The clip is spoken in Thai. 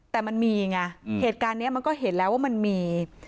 แต่มันมีไงเหตุการณ์นี้มันก็เห็นแล้วว่ามันมี